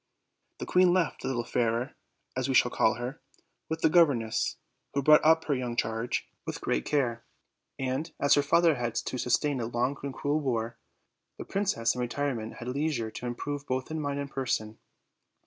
The queen left the little Fairer (us we shall call her) With her governess, who brought up her young charge $6 OLD, OLD FAIRY TALES. with great care; and, as her father had to sustain a long and cruel war, the princess in retirement had leisure to improve both in mind and person.